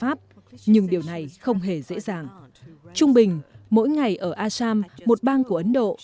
pháp nhưng điều này không hề dễ dàng trung bình mỗi ngày ở asam một bang của ấn độ